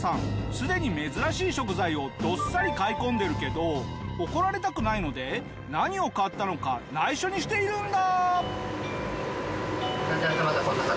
すでに珍しい食材をどっさり買い込んでるけど怒られたくないので何を買ったのか内緒にしているんだ！